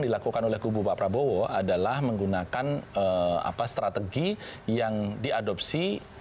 dilakukan oleh kubu pak prabowo adalah menggunakan strategi yang diadopsi